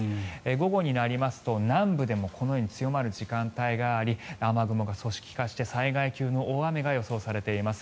午後になりますと、南部でもこのように強まる時間帯があり雨雲が組織化して災害級の大雨が予想されています。